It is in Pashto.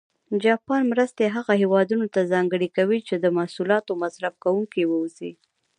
جاپان مرستې هغه هېوادونه ته ځانګړې کوي چې د محصولاتو مصرف کوونکي و اوسي.